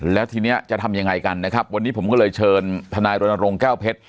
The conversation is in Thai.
แล้วทีนี้จะทำยังไงกันนะครับวันนี้ผมก็เลยเชิญทนายรณรงค์แก้วเพชร